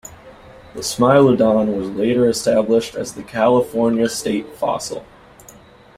The smilodon was later established as the California state fossil.